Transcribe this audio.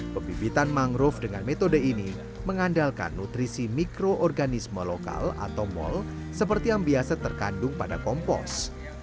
pembibitan mangrove dengan metode ini mengandalkan nutrisi mikroorganisme lokal atau mal seperti yang biasa terkandung pada kompos